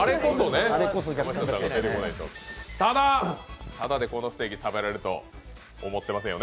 ただ、ただでこのステーキ食べられると思ってませんよね。